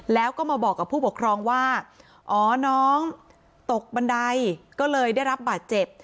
แล้วก็มาบอกกับผู้ปกครองว่าอ๋อน้องตกบันไดก็เลยได้รับบาดเจ็บ